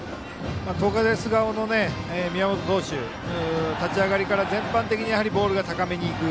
東海大菅生の宮本投手立ち上がりから全般的にボールが高めに行く。